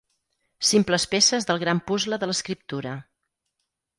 Simples peces del gran puzle de l'escriptura.